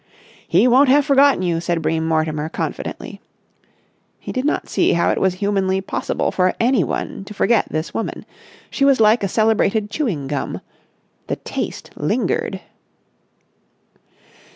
"He won't have forgotten you," said Bream Mortimer, confidently. He did not see how it was humanly possible for anyone to forget this woman. She was like a celebrated chewing gum. The taste lingered.